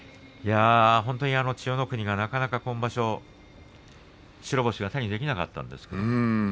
本当に千代の国がなかなか今場所白星が手にできなかったんですが。